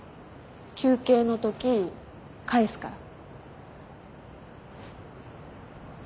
休憩のとき返すから。